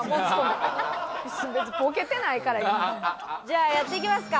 じゃあやっていきますか。